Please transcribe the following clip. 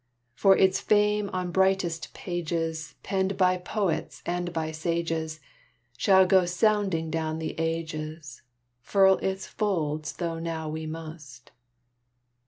For its fame on brightest pages, Penned by poets and by sages, Shall go sounding down the ages Furl its folds though now we must!